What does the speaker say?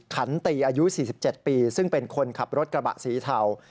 ขันตีอายุ๔๗ปีซึ่งเป็นคนขับรถกระบะสีเทา